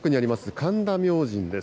神田明神です。